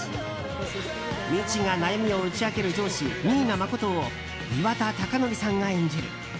みちが悩みを打ち明ける上司新名誠を岩田剛典さんが演じる。